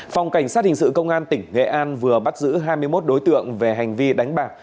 phòng cảnh sát hình sự công an tỉnh nghệ an vừa bắt giữ hai mươi một đối tượng về hành vi đánh bạc